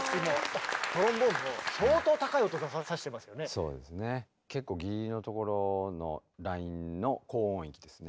そうですね結構ギリギリのところのラインの高音域ですね